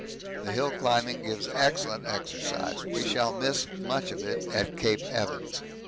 The hill climbing gives excellent exercise we shall miss much of it at Cape Evans.